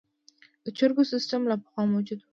د جرګو سیسټم له پخوا موجود و